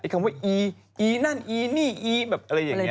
คำว่าอีอีนั่นอีนี่อีแบบอะไรอย่างนี้